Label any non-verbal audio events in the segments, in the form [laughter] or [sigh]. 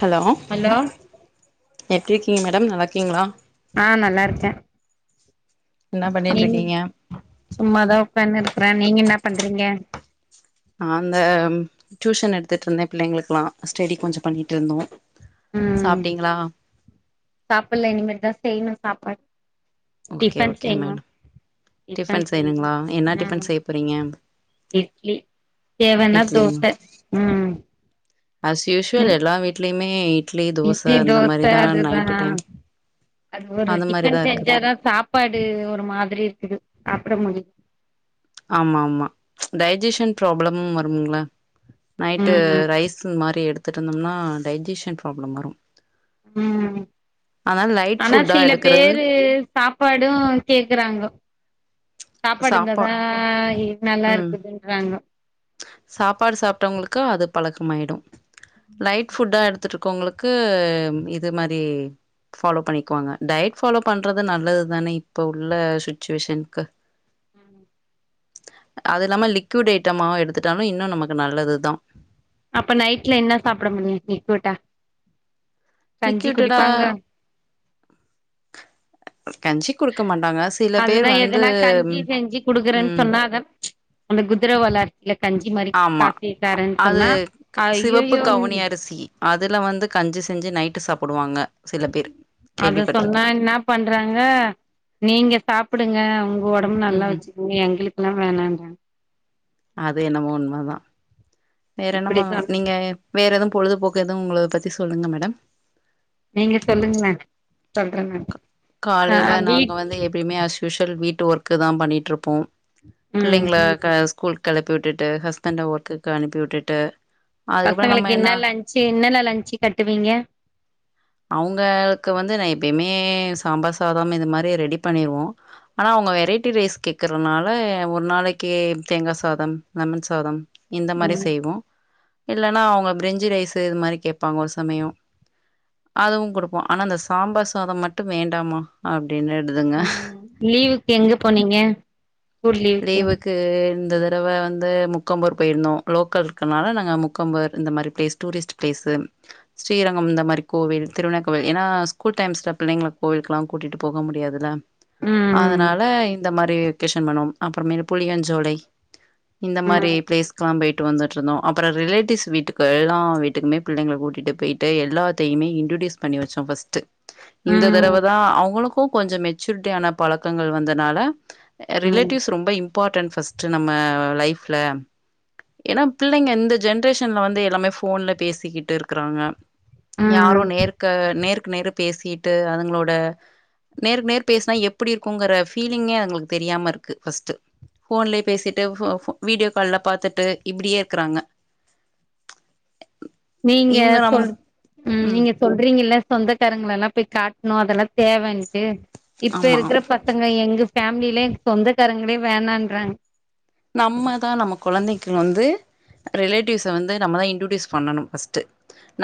Hello hello எப்டி இருக்கீங்க madam நல்லாருகீங்ளா ஆ நல்லாருக்க என்னா பண்ணிட்ருக்கீங்க சும்மாதா உக்கான்னுருக்குறே நீங்க என்ன பண்றீங்க நா அந்த டியூஷன் எடுத்துட்ருந்தே பிள்ளைங்களுலா ஸ்டடி கொஞ்சோ பண்ணிட்ருந்தோ ம் சாப்டீங்களா சாப்பல்ல இனிமேலுதா செய்யணு சாப்பாடு ஓகே டிபன் ஓகே செய்யணு மேடம் டிஃபன் செய்யணுங்களா என்னா ம் டிஃபன் செய்ய போறீங்க இட்லி தேவன்னா இட்லி தோச ம் ம் இட்லிமேட் இட்லி தோச அதுதா டைம் அது ஒரு அந்த மாரிதா டிபன் இருக்குது செஞ்சாதா சாப் சப்பாடு ஒரு மாதிரி இருக்குது சப்பட முடிய ஆமா ஆமா டைஜஷன் ப்ராப்பளமும் வருங்கள நைட்டு ம் ரைஸ் இந்த மாரி எடுத்துட்ருந்தோம்னா டைஜஷன் ப்ராப்பள வரும் ம் ஆனால. லைட் ஆனா ஃபுட்டா சில எடுக்கிறது பேரு சாப்பாடு கேக்குறாங்கோ சாப்பாடு சாப்பா இருந்தாதா நல்லா ம் இருக்குதுன்றாங்கோ சாப்பாடு சாப்டவங்களுக்கு அது பழக்கமாயிடு லைட் ஃபுட்டா எடுத்துட்ருக்குறவங்களுக் க்கு இது மாரி ஃபாலோ பண்ணிக்குவாங்க டயட் ஃபாலோ பண்றது நல்லது தானே இப்ப உள்ள சுச்சுவேஷனுக்கு [inaudible] அது இல்லாம லிக்விட் ஐட்டமாவு எடுத்துட்டாலு இன்னு நமக்கு நல்லதுதா அப்ப நைட்ல என்ன சாப்ட முடியு நீ லிக்விட்டா கஞ்சி லிக்விட்டடா குடிப்பாங்க கஞ்சி குடுக்க மாட்டாங்க சில பேர் அதுதா வந்து எதுனா கஞ்சி செஞ்சு குடுக்குறேன்னு ம் சொன்னா அத அந்த குதிர வளர்ச்சியில கஞ்சி மாரி ஆமா காசிட்டாருன்னு அது சொன்னா ஐய்யய்யோ அதில வந்து கஞ்சி செஞ்சு நைட்டு சாப்டுவாங்க சில பேர் அத சொன்னா கேள்விப்பட்ருக்கே என்ன பண்றாங்க நீங்க சாப்டுங்க உங்க ஒடம்பு நல்லா ம் வச்சு நீ எங்களுக்கெல்லா வேணான்றா அது என்னமோ உண்ம தா வேற இப்டி என்னமா சொன்ன நீங்க வேற எதவு பொழுதுபோக்கு எதுவு உங்கள பத்தி சொல்லுங்க மேடம் நீங்க சொல்லுங்லே சொல்றே நானு காலேல ஆ நாங்க வீட் வந்து எப்பையுமே அசயூஷல் வீட்டு ஒர்க்கு தா பண்ணிட்ருப்போம் ம் பிள்ளைங்கல க ஸ்கூல்க்கு கெளப்பி விட்டுட்டு ஹஸ்பண்ட ஒர்க்குக்கு அனுப்பி விட்டுட்டு அதுக்கப்புறம் பசங்களுக்கு நம்ம என்ன லன்ச்சு என்னென்னா லன்ச்சு கட்டுவீங்க அவங்களுக்கு வந்து நா எப்பயுமே சாம்பார் சாதம் இது மாரி ரெடி பண்ணிருவோ ஆனா அவங்க வெரைட்டி ரைஸ் கேக்கறனால ஒரு நாளைக்கு தேங்கா சாதம் லெமன் சாதம் இந்தமாரி ம் செய்வோ இல்லன்னா அவுங்க பிரிஞ்சி ரைஸு இதுமாரி கேப்பாங்க ஒரு சமயோ அதுவு குடுப்போ ஆனா இந்த சாம்பார் சாதோ மட்டு வேண்டாமா அப்டின்னுடுதுங்க லீவுக்கு எங்க போனீங்க லீவுக்கு கு இந்த தடவ வந்து முக்கம்பூர் போய்ருந்தோ லோக்கல் இருக்கனால நாங்க முக்கம்பூர் இந்தமாரி பிளேஸ் டூரிஸ்ட் பேசு ஸ்ரீரங்கம் இந்தமாரி கோவில் திருவிண கோவில் எனா ஸ்கூல் டைம்ஸ்ல பிள்ளைங்கள கோவிலுக்கல்லா கூட்டிட்டு போக முடியாதுல ம் அதனால இந்தமாரி வெக்கேஷன் பண்ணோ அப்புறோ மேல் புளியஞ்சோலை இந்தமாரி ம் ப்ளேஸ்க்குலா போய் ட்டு வந்துட்ருந்தோ அப்புறோ ரிலேட்டிவ்ஸ் வீட்டுக்கு எல்லா வீட்டுக்குமே பிள்ளைகள கூட்டிட்டு பேய்ட்டு எல்லாத்தையுமே இன்ட்ரோட்யூஸ் பண்ணி வெச்சோ ஃபஸ்ட்டு இந்த ம் தடவதா அவுங்களுக்கு கொஞ்சோ மெச்சூரிட்டியான பழக்கங்கள் வந்தனால ம் ரிலேட்டிவ்ஸ் ரொம்ப இம்பாட்டன்ட் ஃபஸ்ட்டு நம்ம லைஃப்ல எனா பிள்ளைங்க இந்த ஜென்ரேஷன்ல வந்து எல்லாமே போன்ல பேசிக்கிட்டு இருக்குறாங்க யாரோ ம் நேருக்கு நேருக்கு நேரு பேசிட்டு அதுங்களோட நேருக்கு நேர் பேசினா எப்டி இருக்குங்கற பீலிங்கே அதுங்களுக்கு தெரியாம இருக்கு ஃபஸ்ட்டு ஃபோன்லயே பேசிட்டு ஃபோ ஃபோ வீடியோ கால்ல பாத்துட்டு இப்டியே இருக்கறாங்க நீங்க இவங்க நம் சொல் ம் நீங்க சொல்றீங்கல்ல சொந்தக்காரங்களல்லா போய் காட்ணு அதல்லா தேவன்ட்டு இப்ப ஆமா. இருக்குற ப சங்க எங்க ஃபேமிலில எங் சொந்தக்காரங்களே வேணான்றாங் நம்மதா நம்ம கொழந்தைக்கு வந்து ரிலேட்டிவ்ஸ வந்து நம்மதா இன்ட்ரோடியூஸ் பண்ணனு ஃபஸ்ட்டு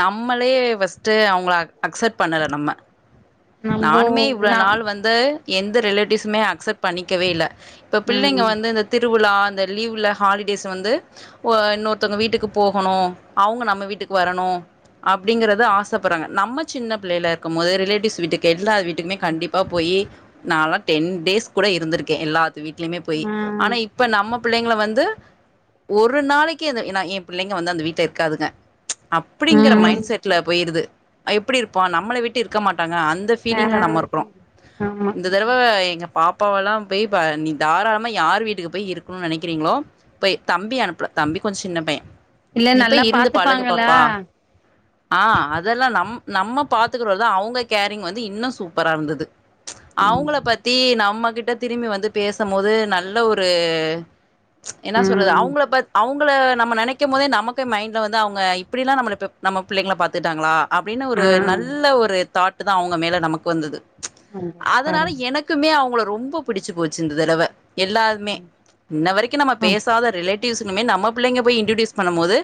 நம்மளே ஃபஸ்ட்டு அவுங்கள அக்சட் பண்ணல நம்ம நம்போ நானுமே இவ்ளோ நாம் நாள் வந்து எந்த ரிலேட்டிவ்ஸுமே அக்சப்ட் பண்ணிக்கவே இல்ல இப்ப பிள்ளைங்க ம் வந்து இந்த திருவுழா இந்த லீவ்ல ஹாலிடேஸ் வந்து ஒ இன்னொருத்தங்க வீட்டுக்கு போகணு அவுங்க நம்ம வீட்டுக்கு வரணு அப்டிங்கறத ஆசப்பட்றாங்க நம்ம சின்ன பிள்ளைல இருக்கும்மோது ரிலேட்டிவ்ஸ் வீட்டுக்கு எல்லார் வீட்டுக்குமே கண்டிப்பா போயி நாலா டென் டேஸ் கூட இருந்துருக்கே எல்லாத்து வீடலியுமே போயி ஆனா ம் இப் இப்ப நம்ம பிள்ளைங்கள வந்து ஒரு நாளைக்கு அந்த எனா எ பிள்ளைங்க வந்து அந்த வீட்ல இருக்காதுங்க அப்டிங்கற ம் மைண்ட் செட்ல போய்ருது எப்டி இருப்போ நம்மள விட்டு இருக்க மாட்டாங்க அந்த ஆ ஃபீலிங்ல நம்ம இருக்குறோ ஆமா இந்த தடவ எங்க பாப்பாவல்லா போய் ப நீ தாராளமா யார் வீட்டுக்கு போய் இருக்குனு நெனைக்கிறீங்ளோ போய் தம்பி அனுப்புல தம்பி கொஞ்சோ சின்ன பைய இல்ல நீ நல்லா போய் இருந்து பழகு பாத்துப்பாங்களா பாப்பா ஆ அதெல்லா நம் நம்ம பாத்துக்குறதோட அவுங்க கேரிங் வந்து இன்னு சூப்பரா இருந்தது அவுங்கள ம் பத்தி நம்மகிட்ட திரும்பி வந்து பேசம்மோது நல்ல ஒரு என்ன சொல்றது ம் அவங்கள பத் அவுங் கள நம்ம நெனைக்கும்மோதே நமக்கே மைண்ட்ல வந்து அவுங்க இப்டிலா நம்மள ப நம்ம புள்ளைங்கள பாத்துட்டாங்ளா அப்டினு ஆ ஒரு நல்ல ஒரு தாட்டுதா அவுங்க மேல நமக்கு வந்தது அதனால பரவால்ல எனக் குமே அவுங்கள ரொம்ப புடிச்சி போச்சு இந்த தடவ எல்லாமே ம் இன்ன வரைக்கு நம்ம ஆ பேசாத ரிலேட் டீவ்ஸ்னுமே நம்ம புள்ளைங்க போய் இன்டர்டியூஸ் பண்ணம்மோது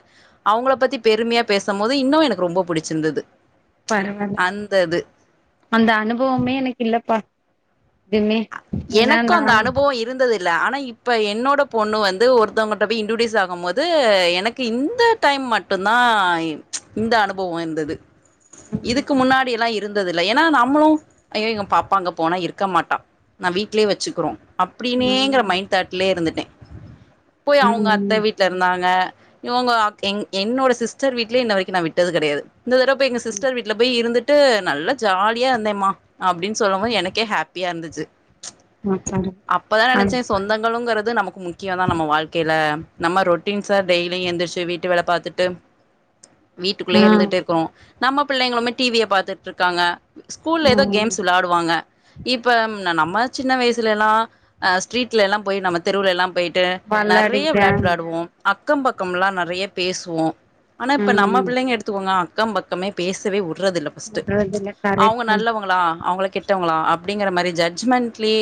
அவுங்கள பத்தி பெருமையா பேசம்மோது இன்னு எனக்கு ரொம்ப புடிச்சிருந்தது பரவால்ல அந்த இது அந்த அனுபவமே எனக்கு இல்லப்பா எதுமே எனக்கு அந்த அனுபொ இருந்துது ல ஆனா இப்ப என்னோட பொண்ணு வந்து ஒருத்தவங்கட்ட போய் இன்டுடிஸ் ஆகும்போது எனக்கு இந்த டைம் மட் ட்டுன்தா இன் இந்த அனுபவோ இந்தது இதுக்கு ம் முன்னாடி எல்லா இருந்தது இல்ல ஏன்னா நம்மளு ஐய்யோ எங்க பாப்பா அங்க போனா இருக்க மாட்டா நா வீட்லே வெச்சுக்குறோ ம் அப்டின்னேங்கிற மைண்ட் தாட்லே இருந்துட்டே போய் அவ்ங்க அத்த விட் ட்ல இருந்தாங்க இவ்ங்க ஆக் என் என்னோட சிஸ்டர் வீட்லே இன்ன வரைக்கு நா விட்டது கெடையாது இந்த தரவ போய் எங்க ம் சிஸ்டர் வீட்ல பெய் இருந்துட்டு நல்லா ஜாலியா இருந்தேம்மா அப்டின் சொல்லும் போது எனக்கே ஹாப் ப்பியா இருந்திச்சு [unintelligible] அப்பதா அத் நெனச்சே சொந்தங் களுங்கறது நமக்கு முக்கியதா நம்ம வாழ்க்கைய்ல நம்ம ரொட்டீன்ஸ டெய்லியு எந்திர்ஷு வீட்டு வேல பாத்துட்டு வீட்டுக்குள்ளே ம் இருந்துட்டே இருக்கோ நம்ம பிள்ளைங்களுமே டிவிய பாத்துட்ருக்காங்க ஸ்கூல்ல ஏதோ ம் கேம்ஸ் விளாடுவாங்க இப்பம் ந நம்மத் சின்ன வயசுலேலா அ ஸ்ட்ரீட்ல எல்லாம் போய் நம்ம தெருவுல எல்லாம் போய்ட் டு நறையா பல்லாடிக்தா விளையாட்டு விளாடுவோ அக்கம் பக்கம்லா நறைய பேசுவோ ஆனா இப்ப நம்ம ம் பிள்ளைங்க எடுத்துக்கோங்கா க்கம் பக்கமே பேசவே உட்றதில்ல பஸ்ட்டு விட்றதில்ல கரெக்ட் அவ்ங்க தா நல்லவங்களா அவ்ங்கள கெட் ட்டவங்களா அப்டிங்கிற மாரி ஜட்மெண்ட்லே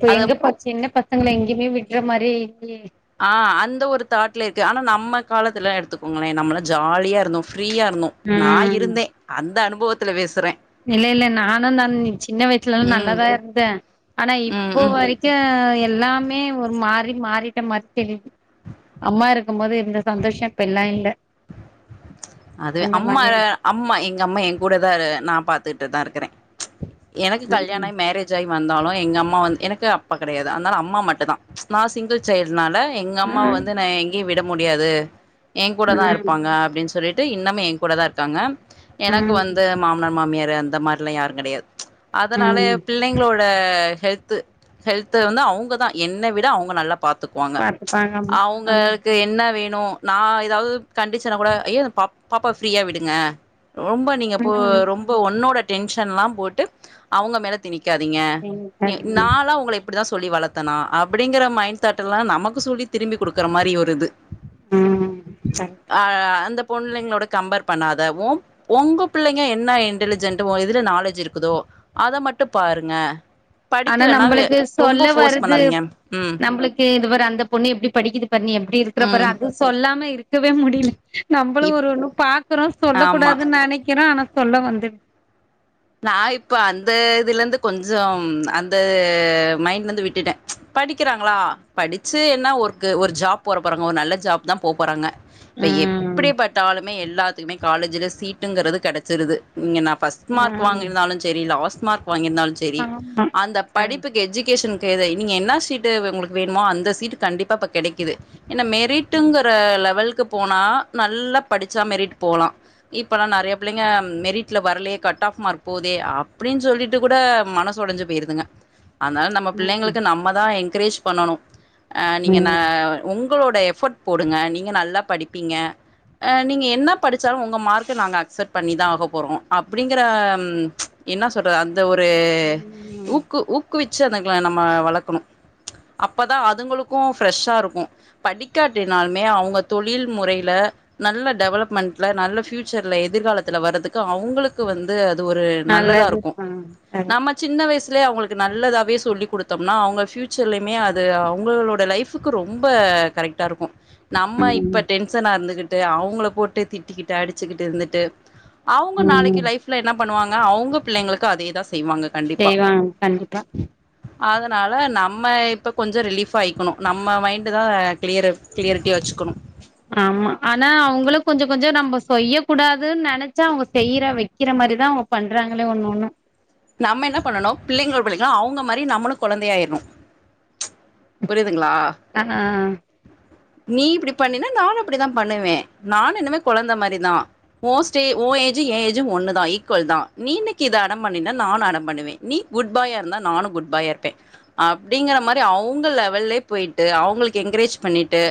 தே அது எங்கப்பா சின்ன பசங்கள எங்க்யுமே விட்ற மாரே இல்லியே அ அந்த ஒரு தாட்ல இருக்கு ஆனா நம்ம காலத்துல எடுத்துக்கோங்களே நம்மல்லா ஜாலியா இருந்தோம் ஃப்ரீயா இருந்தோ நா ம் இருந்தே அந்த அனுபவத்துல பேசுறே இல்ல இல்ல நானு தன் நி சின்ன வயசுலலா ம் நல்லாதா இருந்தே ஆனா ம் இப்போ ம் வரிக் க்ய எல்லாமே ஒரு மாறி மாறிட்ட மாற் தெரிது அம்மா இருக்கும்போது இருந்த சந்தோஷ இப்ப எல்லா இல்ல அது அந்த அம்மா மாரி [unintelligible] அம்மா எங்கம்மா என் கூடதா இரு நா பாத்துட்டு தா இருக்குறே எனக்கு கல்யாண் ம் ஆய் மேரேத் ஜாய் வந்தாலு எங்க அம்மா வந் எனக்கு அப்பா கிடையாது அதனால அம்மா மட்டுதா நா சிங்கிள் ச்சயிற்னால எங்க அம்மாவ் ம் வந்து நா எங்க்யு விட முடியாது என் கூட தான் இருப்பாங்க அப்டின் சொல்லிட் தே இன்னமே என் கூட தா இருக்காங்கம் ம் எனக்கு ம் வந்து மாமனா மாமியாரு அந்த மாறில்லா யார் கெடையாத் அதனாலே ம் பிள்ளைங்ளோட ஹெல்த்து ஹெல்த்து வந்நு அவ்ங்க தா என்ன விட அவங்க நல்லாப் பாத்துக்வாங்க பாத்துப்பாங்க ஆமா அந் அவங்கள்க்கு என்ன வேண் ணு நா ஏதாவு கண்டிச்சனாக் கூட ஐயோ ந பாப் பாப்பாவ் ஃப்ரீயா விடுங்க ரொம்ப நீங்க போ ம் ரொம்ப ஒன்னோட டென்ஷன்ல்லா போட்டு அவுங்க மேல திணிக்காதீங்க ம் நீ நாலா உங்களைப் ப்படிதா சொல்லி வளத்தனா அப்டிங்கிற மைண்ட தாட் எல்லா நமக்கு சொல்லி திரும்பி குடுக்குற மாறி ஓர் ருத்து கரெக்ட் அ அந்த பொன்ளைங்களோட கம்பேர் பண்ணாத ஓம் ஒங்க பிள்ளைங்க என்ன இன்டெலிஜென்ட் உ இதுல நாலேஜ் இருக்குதோ அத மட்டு பாருங்க ஆனா படிக்கலனா நம்பளுக்கு ரொம்ப சொல்ல ஃபோர்ஸ் வருது பண்ணாதீங்க ம் நம்ப்ளுக்கு இது பார் அந்த பொண்ணு எப்படி படிக்குது பார் நீ எப்டி இருக்குறப் பாரு ம் அதுஸ் தொல்லாம இருக்கவே முடில நம்பளு இப் ஒரு ஒண்ணு பாக்கறோ சொல்ல ஆமா கூடாது நனைக்கிற ஆனா தொல்ல வந்து நா இப்ப அந்த இதுலந்து கொஞ்சம் அந்த மைண்ட்லந்து விட்டுட்டே படிக்கிறாங்களா படிச்சு என்ன ஒர்க்கு ஒரு ஜாப் போற போறாங்க ஒரு நல்ல ஜாப் தா போ போறாங்க இப்ப ம் எப்டிப் பாத்தாலுமே எல்லாத்துக்குமே காலேஜுல சீட்டுங்கிறது கெடச்சிருது இங்க நா பர்ஸ் ட் மார்க் ம் வாங்கியிருந்தாலும் செரி லாஸ்ட் மார்க் வாங்கியிருந்தாலும் செரி ஆமா அந்த கரெக்ட் படிப்புக் எஜுகேஷன் தேவை நீங்க என்னா சீட்டு உங்களுக்கு வேணுமோ அந்த சீட்டு கண்டிப்பா இப்ப கெடக்குது என்ன மேல் வீட்டுங்கிற லெவல்க்கு போனா நல்லா படிச்சா மெரிட் போலாம் இப்பல்லாம் நெறைய புள்ளைங்க மெரிட்ல வரலையே கட் டாஃப் மார்க் போதே அப்டின்னு சொல்லிட்டு கூட மனசு ஒடஞ்சு போயிடுதுங்க அதனால நம்ம ம் பிள்ளைங்களுக்கு நம்ம தான் என்கரேஜ் பண்ணணும் அ நீங்க நா ம் உங்களோட எஃபர்ட் போடுங்க நீங்க நல்லா படிப்பீங்க ஆ நீங்க என்ன படிச்சாலும் உங்க மார்க்க நாங்க அக்செப்ட் பண்ணிதா ஆக போறோ அப்டி அடிங்கிற என்ன சொல்றது அந்த ஒரு ம் ஊக்கு ஊக் குவிச்சு தா அதுங்கள நம்ம வளரக்கணு அப்போதான் அதுங்களுக்கும் ஃப்ரெஷ்ஷாகருக்கு படிக்காட்டினாலுமே அவங்க தொழில் முறைல நல்ல டெவலப்மெண்ட்ல நல்ல பஃயூச்சர்ல எதிர்காலத்துல வர்றதுக்கு அவ்ங்களுக்கு வந்து அது ஒரு நல்லது நல்லதாருக்கும் ஆ கரெக்ட் நம்ம சின்ன வயசுலயே அவங்களுக்கு நல்லதாவே சொல்லி் கொடுத்தோம்னா அவுங்க ஃபயூச்சர்லேயுமே அது அவங்களோட லைஃப் க்கு ரொம்ப கரெக்டா இருக்கு நம்ம ம் இப்ப டென்ஷனா இருந்துகிட்டு அவங்கள போட்டு திட்டிக்கிட்டு அடிச்சுக்கிட்டு இருந்துட்டு அவுங்க நாளைக்கு ம் லைஃப்ல என்ன பண்ணுவாங்க அவுங்க பிள்ளைங்களுக்கு அதே தா செய்வாங்க கண்டிப்பா. செய்வான் கண்டிப்பா அதனால நம்ம இப்ப கொஞ்சோ ரிலீஃபா ஆயிக்கணு நம்ம மைண்டு தா கிளியரு கிளியர்ட்டி வச்சுக்கணு ஆமா ஆனா அவங்களுக்கு கொஞ்சோ கொஞ்சோ நம்ம செய்ய கூடாதுன்னு நெனச்சா அவ்ங்க செய்யற வக்கிற மாறிதான் பண்றாங்களே ஒண்ணு ஒண்ணு நம்ம என்ன பண்ணனு பிள்ளைங்களு பிள்ளைங்களு அவுங்க மாறி நம்மளும் கொழந்தை ஆயிரணு புரியுதுங்களா ஆ ஆ நீ இப்டி பண்ணினா நானு அப்டி தா பண்ணுவே நானு இனிமே கொழந்த மாரிதா ஓஸ்டே ஓ ஏஜ் ஏ ஏஜ் ஒண்ணு தான் ஈக்குவல் தான் நீ இன்னக்கீ இது அடம் பண் நானு அடம் பண்ணுவே நீ குட் பாயாருந்தா நானு குட் பாயாருப்பே அப்டிங்கற மாதிரி அவுங்க லெவல்லயே போயிட்டு அவ்ங்களுக்கு என்கரேஜ் பண்ணிட்டு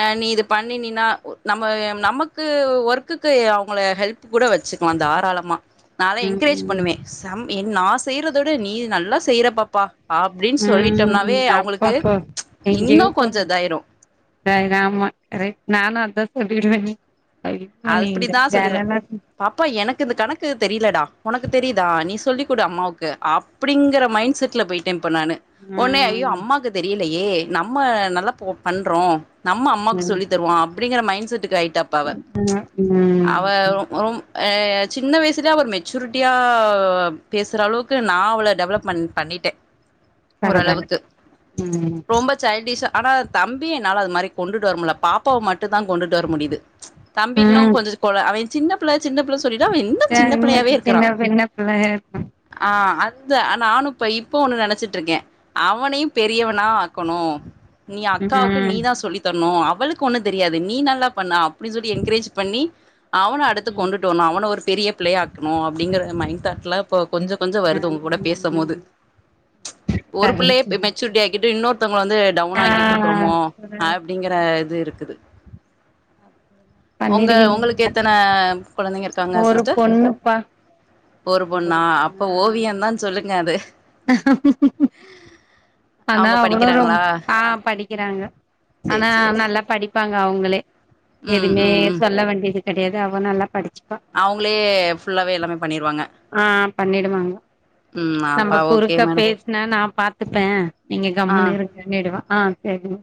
ஆ நீ இது பண்ணினா நம்ம நமக்கு ஒர்க்குக்கு அவங்கள ஹெல்ப் கூட வச்சுக்கலா தாராளமா நா எல்லா ம் என்கரேஜ் ம் பண்ணுவேன் செம் என் நா செய்யறதோட நீ நல்லா செய்ற பாப்பா அப்டின்னு ம் சொல்லிட்டோம்னாவே அவங்களுக்கு அப்பப்போ இன்னு கொஞ்சோ இதாயிரும் தய் ராமா கரெக்ட் நானு அத சொல்லிடுவே அப்டிதா சொல்லி [unintelligible] பாப்பா எனக்கு இந்த கணக்கு தெரியலடா உனக்கு தெரியுதா நீ சொல்லி கொடு அம்மாவுக்கு அப்டிங்குற மைண்ட் செட்ல போய்ட்டே இப்ப நானு ஒன்னே ஐயோ ம் அம்மாக்கு தெரியலையே நம்ம நல்லா பண்றோ நம்ம அம்மாக்கு சொல்லி தர்வோ அப்டிங்கிற மைண்ட் செட்டுக்கு ஆயிட்டா ஆ [inaudible] அவ ரொம் அ சின்ன வயசுலயே அவர மெச்சூரிட்டியா பேசுற அளவுக்கு நா அவள டெவலப்மென் பண்ணிட்டே பரவால்ல ஓரளவுக்கு ம் ரொம்ப சைல்டிஷ் ஆனா தம்பி என்னால அது மாதிரி கொண்டுட்டு வர முடியல பாப்பாவ மட்டும் தா கொண்டுட்டு வர முடியுது தம்பினும் ம் கொஞ்சது போல அவே சின்ன பிள்ள சின்ன பிள்ள ஸ் சொல்லிதா அவ இன்னு சின்ன சரிங்க பிள்ளையாவே இருக்கறா சின்ன சின்ன பிள்ளையா இருக்கு ஆ அந்த நானு இப்ப இப்ப ஒண்ணு நெனச்சிட்ருக்கே அவனையு பெரியவனா ஆக்கணு நீ ம் அக்காவுக்கு நீ ம் தா சொல்லி தர்னு அவளுக்கு ஒண்ணு தெரியாது நீ நல்லா பண்ண அப்டி சொல்லி என்கரேஜ் பண்ணி அவன அடுத்து கொண்டுட் டோனா அவன ஒரு பெரிய பிள்ளைய ஆக்கணு அப்டிங்கற மைண்ட தாட்ல கொஞ்சம் கொஞ்சம் வருது ம் உங்க கூட ம் பேசும் ம் போது ஒரு பிள்ளையே கரெக்ட். ம் மெச் சூரிட்டி ஆக்கிட்டு இன்னொருத்தவங்க வந்து டவுன் ஆக்கிட்டு இருக்கிறோமோ ஆ அப்டிங்கிற இது இருக்குது அப்பயெல்லா உங்க உங்களுக்கு எத்தன கொழந்தைங்க இருக்காங்க ஒரு சிஸ்டர் பொண்ணுப்பா ஒரு பொண்ணா அப்ப ஓவியந் தான்னு சொல்லுங்க அது ஆஹ [unintelligible] ஆனா அவங்க அவளோ ரொம் படிக்கிறாங்களா ஆ படிக்கறாங்க சேரி ஆனா சேரி சேரி நல்லா படி ப்பாங்க அவங்களே ம் எதுவுமே ம் ம் சொல்ல வேண்டியது கெடையாது அவ நல்லா படிச்சுப்பா அவங்களே ஃபுல்லாவே எல்லாமே பண்ணிருவாங்க ஆ பண்ணிடுவாங்க ம் அப்ப ஓ பேசுன நா பாத்துப்பே நீங்க ஆ கம்முன்னு இருங்கன்னிடுவா அ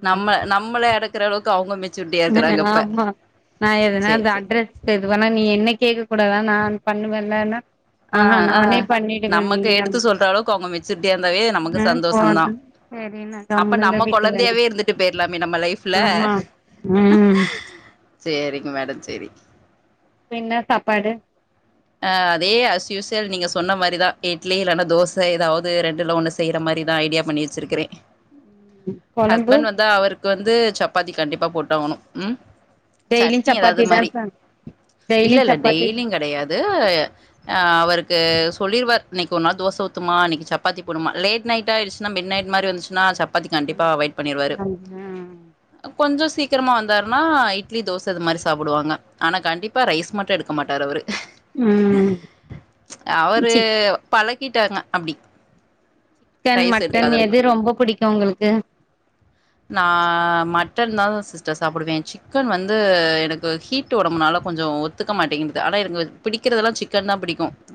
நம்ம நம்மள அடக்கற அளவுக்கு அவங்க மெச் ஆ ஆமா நா எதுனா சேர் அந்த சேர் அட்ரஸ் எதுவேனா நீ என்ன கேக்க கூடாதா நான் பண்ணுவேல்லனா அ அ நமக்கு எடுத்து அப்டி சொல்ற அளவுக்கு அவங்க மெச்சுரிட்டியா இருந்தாவே நமக்கு ஆ சந்தோஷந்தா போது செரி நா அப்ப கம்முனு இந்த நம்ம வீட்டு வேல கொழந்தையாவே இருந்துட்டு போயிரலாமே நம்ம லைஃப்ல ஆமா ம் இப்ப சேரிங்க மேடம் செரி ப்ப என்ன சாப்பாடு ஆஅதே ஆஸ்யூசயல் நீங்க சொன்ன மாதிரிதா இட்லி இல்லன்னா தோசை ஏதாவது ரெண்டுல்ல ஒண்ணு செ செய்யற மாரிதா ஐடியா பண்ணி வெச்சிருக்கறே கொழம்பு ஹஸ்பண்ட் வந்தா அவருக்கு வந்து சப்பாத்தி கண்டிப்பா போட்டாவணு ம் டெய்லியு சட்னி ஏதாவது சப்பாத்தி தா மாரி ச இல்ல டெய்லியு இல்ல சப்பாத்தி டெய்லியு கெடையாது அவருக்கு சொல்லிடுவாரு இன்னைக்கு ஒரு நா தோச ஊத்துமா இன்னைக்கு சப்பாத்தி போடுமா லேட் ஆயிடுச்சுன்னா மிட் நைட் மாரி வந்துச்சுன்னா சப்பாத்தி கண்டிப்பா அவாய்ட் பண்ணிருவாரு கொஞ்சோ சீக்கிரமா வந்தாருன்னா இட்லி தோச இது மாரி சாப்புடுவாங்க ஆனா கண்டிப் பா ரைஸ் மட்டு எடுக்க மாட்டாரு அவரு ம் அவரு பழக்கிட்டாங்க அப்டி சிக்கன் ரைஸ் மட்டன் எடுக்காதவர்கள் எது ரொம்ப புடிக்கும் உங்களுக்கு நா மட்டன்தாங்க சிஸ்டர் சாப்புடுவே சிக்கன் வந்து எனக்கு ஹீட் உடம்புனால கொஞ்சம் ஒத்துக்க மாட்டேங்குது ஆனா எனக்கு பிடிக்கிறதெல்லா சிக்கன் தா பிடிக்கு